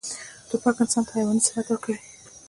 توپک انسان ته حیواني صفات ورکوي.